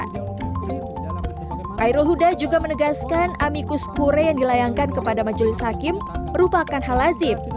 khairul huda juga menegaskan amikus kure yang dilayangkan kepada majelis hakim merupakan hal lazim